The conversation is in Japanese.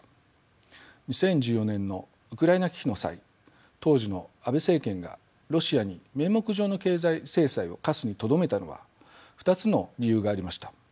２０１４年のウクライナ危機の際当時の安倍政権がロシアに名目上の経済制裁を科すにとどめたのには２つの理由がありました。